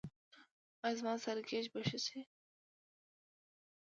ایا زما سرگیچي به ښه شي؟